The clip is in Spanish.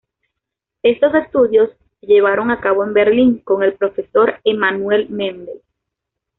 Estos estudios se llevaron a cabo en Berlín con el profesor Emanuel Mendel.